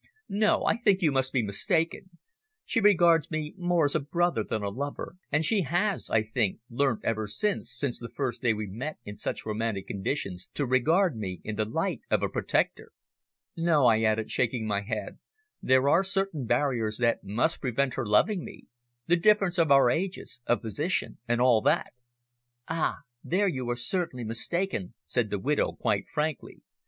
"No, I think you must be mistaken. She regards me more as a brother than a lover, and she has, I think, learnt ever since the first day we met in such romantic conditions, to regard me in the light of a protector. "No," I added, shaking my head, "there are certain barriers that must prevent her loving me the difference of our ages, of position and all that." "Ah! There you are entirely mistaken," said the widow, quite frankly.